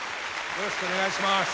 よろしくお願いします。